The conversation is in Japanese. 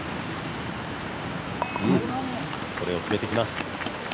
これを決めてきます。